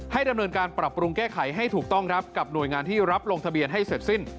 ดำเนินการปรับปรุงแก้ไขให้ถูกต้องครับกับหน่วยงานที่รับลงทะเบียนให้เสร็จสิ้น